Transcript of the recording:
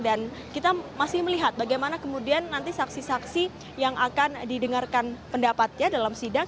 dan kita masih melihat bagaimana kemudian nanti saksi saksi yang akan didengarkan pendapatnya dalam sidang